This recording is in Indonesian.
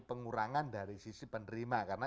pengurangan dari sisi penerima karena